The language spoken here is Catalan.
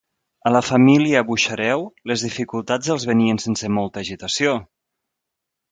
A la família Buxareu les dificultats els venien sense molta agitació?